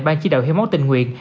ban chí đạo hiến máu tình nguyện